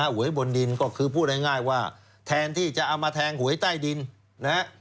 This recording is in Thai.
หวยบนดินก็คือพูดง่ายว่าแทนที่จะเอามาแทงหวยใต้ดินนะฮะ